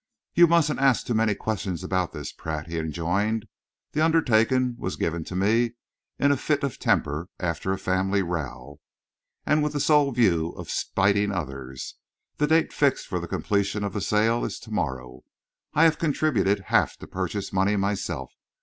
"You mustn't ask too many questions about this, Pratt," he enjoined. "The undertaking was given to me in a fit of temper after a family row, and with the sole view of spiting others. The date fixed for the completion of the sale is to morrow. I have contributed half the purchase money myself.